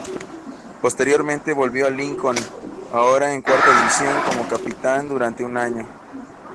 Posteriormente volvió al Lincoln, ahora en cuarta división, como capitán durante un año.